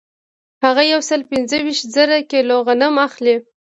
هغه یو سل پنځه ویشت زره کیلو غنم اخلي